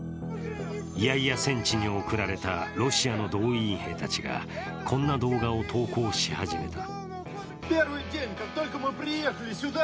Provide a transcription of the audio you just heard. いやいや戦地に送られたロシアの動員兵たちが、こんな動画を投稿し始めた。